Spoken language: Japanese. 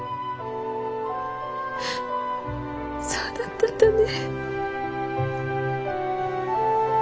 そうだったんだね。